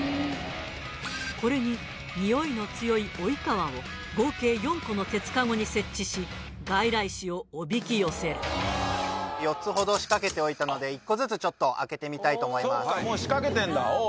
これにニオイの強いオイカワを合計４個の鉄カゴに設置し外来種をおびき寄せる４つほど仕掛けておいたので１個ずつ開けてみたいと思います